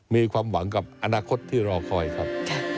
มีความหวังกับอนาคตที่รอคอยครับ